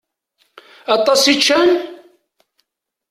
Aṭas i ččan?